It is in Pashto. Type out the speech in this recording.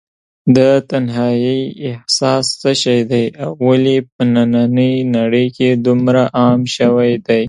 د تنهایی احساس څه شی دی ؟او ولې په نننۍ نړۍ کې عام شوی دی ؟